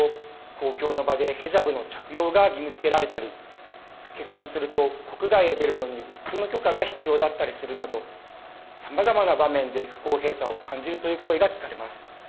公共の場でヘジャブの着用が義務づけられたり結婚すると国外へ出るのに夫の許可が必要だったりするなどさまざまな場面で不公平さを感じるという声が聞かれます。